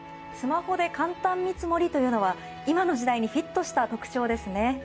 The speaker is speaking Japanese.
スマホでカンタン見積りというのは今の時代にフィットした特徴ですね。